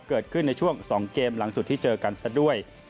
เกิดขึ้นในช่วง๒เกมหลังสุดที่เจอกันซะด้วย